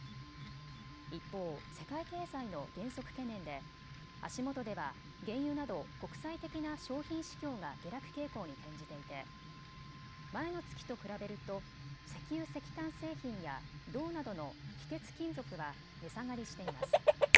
一方、世界経済の減速懸念で足元では原油など国際的な商品市況が下落傾向に転じていて、前の月と比べると石油・石炭製品や銅などの非鉄金属は値下がりしています。